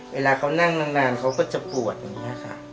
เวลาเขานั่งนานเขาก็จะปวดอย่างนี้ค่ะ